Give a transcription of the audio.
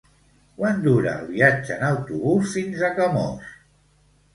Quant dura el viatge en autobús fins a Camós?